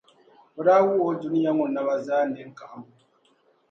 o daa wuhi o dunia ŋɔ nama zaa nini kahimbu.